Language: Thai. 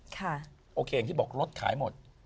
โอเคอย่างที่บอกรถขายหมด